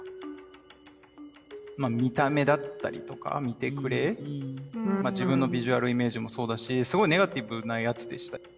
見た目だったりとか見てくれ自分のビジュアルイメージもそうだしすごいネガティブなやつでした。